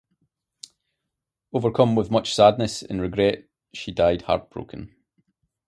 Overcome with much sadness and regret, she "died heartbroken".